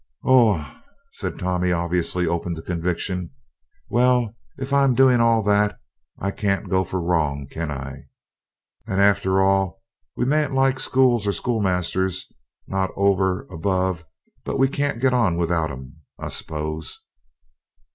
"Oh, ah," said Tommy, obviously open to conviction. "Well, if I'm a doin' all that, I can't go fur wrong, can I? And arter all, we mayn't like schools or schoolmasters, not over above, but we can't get on without 'em, I s'pose.